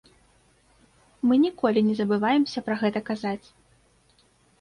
Мы ніколі не забываемся пра гэта казаць.